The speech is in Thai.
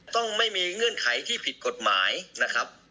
ต้องไม่มีเงื่อนไขที่ผิดกฎหมายนะครับ